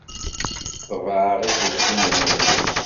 Ḍebɛeɣ iselkinen-nni.